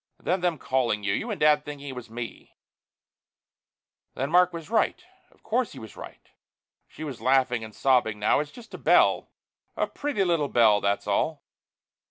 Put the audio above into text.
And then them calling you, you and Dad thinking it was me " "Then Mark was right. Of course he was right." She was laughing and sobbing now. "It's just a bell, a pretty little bell, that's all."